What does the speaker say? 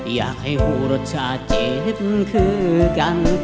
อยากให้หูรสชาติเจ็ตคือกัน